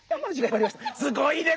すごいね！